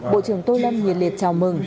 bộ trưởng tôi lâm nhiệt liệt chào mừng